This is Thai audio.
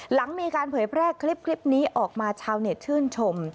หลังมีการเผยแพร่คลิปนี้ออกมาชาวเน็ตชื่นชม